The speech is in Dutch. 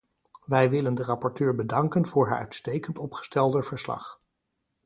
Wij willen de rapporteur bedanken voor haar uitstekend opgestelde verslag.